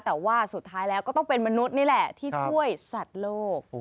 แต่ว่าสุดท้ายแล้วก็ต้องเป็นมนุษย์นี่แหละที่ช่วยสัตว์โลก